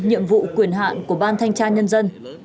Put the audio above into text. nhiệm vụ quyền hạn của ban thanh tra nhân dân